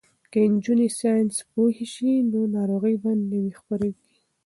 که نجونې ساینس پوهې شي نو ناروغۍ به نه خپریږي.